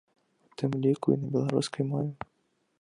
У тым ліку і на беларускай мове.